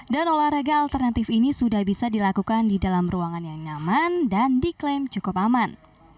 dan olahraga alternatif ini sudah bisa dilakukan di dalam ruangan yang nyaman dan diklaim cukup aman